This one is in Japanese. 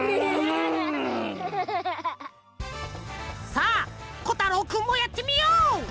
さあこたろうくんもやってみよう！